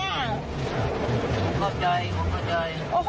ผมเข้าใจผมเข้าใจ